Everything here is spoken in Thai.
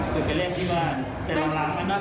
พี่อุ้มที่ไหนเขาก็กลับมาเนี่ย